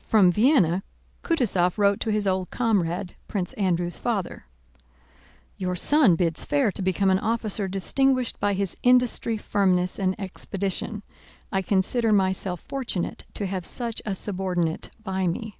From Vienna Kutúzov wrote to his old comrade, Prince Andrew's father. Your son bids fair to become an officer distinguished by his industry, firmness, and expedition. I consider myself fortunate to have such a subordinate by me.